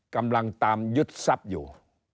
กำลังตามยุทธศัพท์อยู่